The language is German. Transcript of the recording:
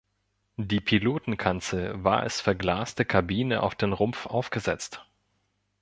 Die Pilotenkanzel war als verglaste Kabine auf den Rumpf aufgesetzt.